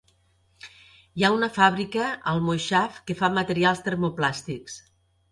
Hi ha una fàbrica al moixav que fa materials termoplàstics.